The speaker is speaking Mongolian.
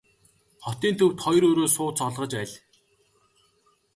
Хотын төвд хоёр өрөө сууц олгож аль.